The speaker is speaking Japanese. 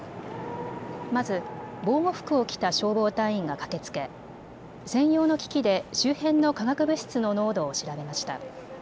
まず防護服を着た消防隊員が駆けつけ専用の機器で周辺の化学物質の濃度を調べました。